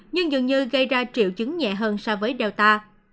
nhưng dường như gây ra triệu chứng nhẹ hơn so với delta